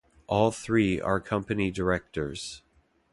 All three are company directors.